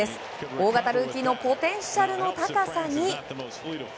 大型ルーキーのポテンシャルの高さに。